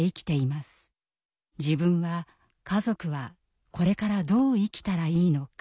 自分は家族はこれからどう生きたらいいのか。